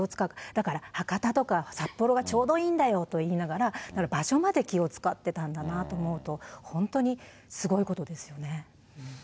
だから博多とか、札幌がちょうどいいんだよと言いながら、場所まで気を遣ってたんだなと思うと、本当にすごいことですよね。